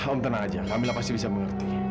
om tenang aja kami pasti bisa mengerti